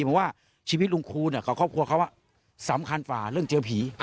ผมว่าชีวิตลุงคูณกับครอบครัวเขาสำคัญฝ่าเรื่องเจอผี